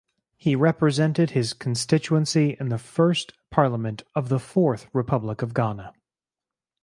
He represented his constituency in the first Parliament of the fourth Republic of Ghana.